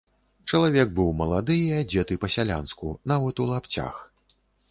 Чалавек быў малады і адзеты па-сялянску, нават у лапцях.